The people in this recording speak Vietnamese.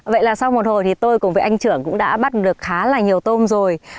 vậy là sau một hồi thì tôi cùng với anh trưởng cũng đã bắt được khá là nhiều tôm rồi